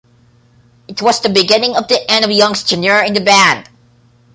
It was the beginning of the end of Young's tenure in the band.